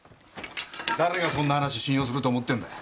誰がそんな話信用すると思ってんだよ？